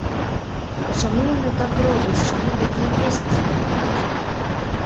І чаму яны так робяць, чаму такія песні спяваюць?